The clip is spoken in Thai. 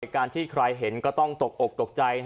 การที่ใครเห็นก็ต้องตกอกตกใจ